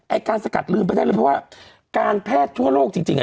การสกัดลืมไปได้เลยเพราะว่าการแพทย์ทั่วโลกจริงจริงอ่ะ